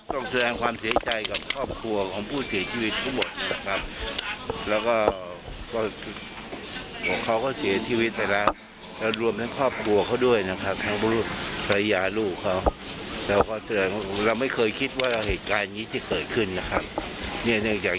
เราก็พยายามที่จะช่วยเหลือประชาชนผู้ติดยาเสพติบทั้งหมดอยู่ครับ